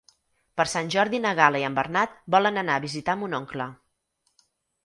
Per Sant Jordi na Gal·la i en Bernat volen anar a visitar mon oncle.